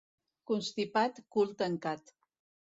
Constipat, cul tancat.